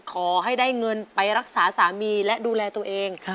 ขอให้ได้เงินไปรักษาสามีและดูแลตัวเอง